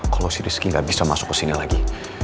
kalo si rizky gak bisa masuk kesini lagi